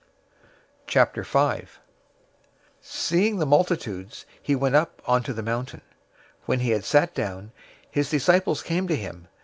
005:001 Seeing the multitudes, he went up onto the mountain. When he had sat down, his disciples came to him.